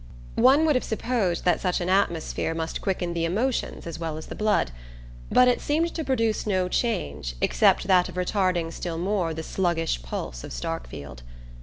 One would have supposed that such an atmosphere must quicken the emotions as well as the blood; but it seemed to produce no change except that of retarding still more the sluggish pulse of Starkfield.